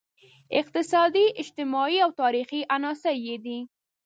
اقتصادي، اجتماعي او تاریخي عناصر یې دي.